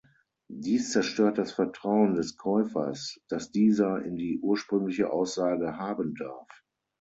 Dies zerstört das Vertrauen des Käufers, dass dieser in die ursprüngliche Aussage haben darf.